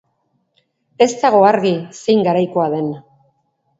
Ez dago argi zein garaikoa den.